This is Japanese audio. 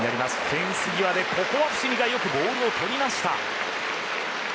フェンス際でここは伏見がよくボールを捕りました。